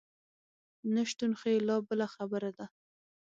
نشتون خو یې لا بله خبره ده.